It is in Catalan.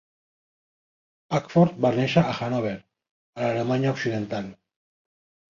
Ackford va néixer a Hannover, a l'Alemanya Occidental.